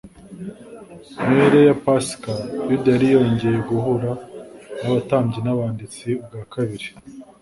Mbere ya Pasika, Yuda yari yongcye guhura n'abatambyi n'abanditsi ubwa kabiri